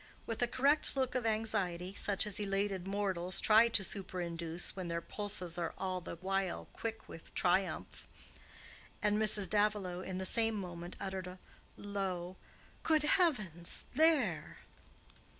with a correct look of anxiety such as elated mortals try to super induce when their pulses are all the while quick with triumph; and Mrs. Davilow, in the same moment, uttered a low "Good heavens! There!"